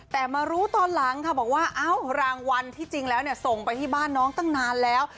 แต่มารู้ตอนหลังค่ะบอกว่ารางวัลที่จริงแล้วส่งไปที่บ้านน้องตั้งนานแล้ว